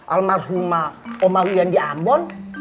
almarhumah om maulian di ambon